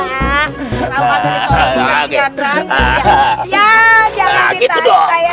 kalau pade ditolongin